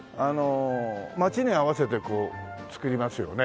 街に合わせてこう作りますよね。